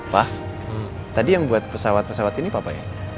pa tadi yang buat pesawat pesawat ini papa ya